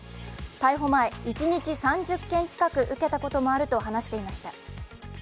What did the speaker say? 逮捕前、一日３０件近く受けたこともあると話していました。